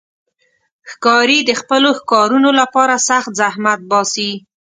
ښکاري د خپلو ښکارونو لپاره سخت زحمت باسي.